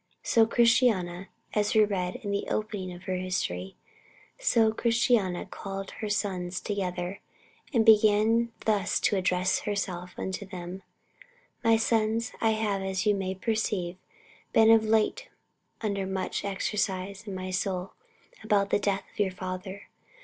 "So Christiana," as we read in the opening of her history "so Christiana called her sons together and began thus to address herself unto them: My sons, I have, as you may perceive, been of late under much exercise in my soul about the death of your father.